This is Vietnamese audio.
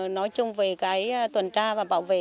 nói chung về tuần tra và bảo vệ